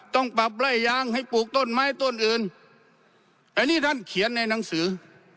ต้องปรับไล่ยางให้ปลูกต้นไม้ต้นอื่นอันนี้ท่านเขียนในหนังสือ